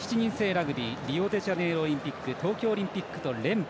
ラグビーリオデジャネイロオリンピック東京オリンピックと連覇。